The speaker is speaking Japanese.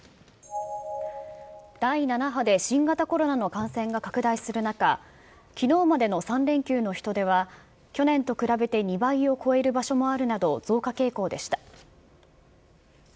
第７波で新型コロナの感染が拡大する中、きのうまでの３連休の人出は、去年と比べて２倍を超える場所もあるなど、増加傾向でした。